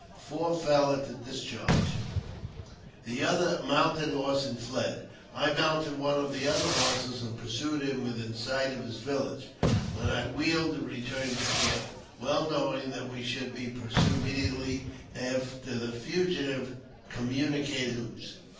Four fell at the dis charge : the other mounted his horse and fled. I mounted, one of the other horses, and pursued him within sight of hisj village, when I wheeled and returned to the camp, well knowing that we should be pursued immediately after' the fugitive communicated his news.